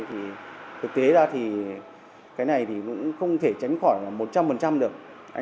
thực tế ra thì cái này cũng không thể tránh khỏi một trăm linh được